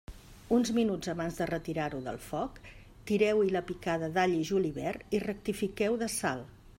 Uns minuts abans de retirar-ho del foc, tireu-hi la picada d'all i julivert i rectifiqueu de sal.